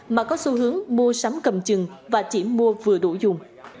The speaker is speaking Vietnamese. mà có xu hướng mua sắm cầm chừng và chỉ mua vừa đủ dùng